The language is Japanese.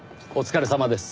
お疲れさまです。